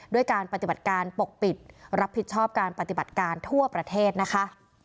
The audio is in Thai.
ด้วยการปฏิบัติการปกปิดรับผิดชอบการปฏิบัติการทั่วประเทศนะคะ